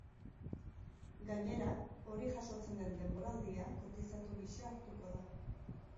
Gainera, hori jasotzen den denboraldia kotizatu gisa hartuko da.